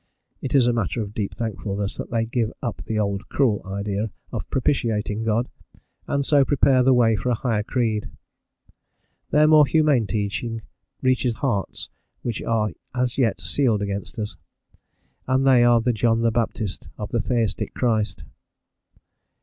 It is a matter of deep thankfulness that they give up the old cruel idea of propitiating God, and so prepare the way for a higher creed. Their more humane teaching reaches hearts which are as yet sealed against us, and they are the John Baptist of the Theistic Christ.